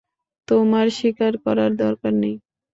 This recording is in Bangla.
তোমার শিকার করার দরকার নেই।